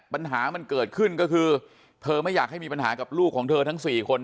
ปัญหามันเกิดขึ้นก็คือเธอไม่อยากให้มีปัญหากับลูกของเธอทั้ง๔คน